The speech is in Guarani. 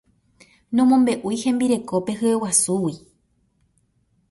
Nomombe'úi hembirekópe hyeguasúgui.